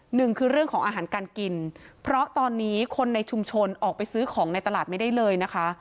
หนึ่งคือเรื่องของอาหารการกินเพราะตอนนี้คนในชุมชนออกไปซื้อของในตลาดไม่ได้เลยนะคะ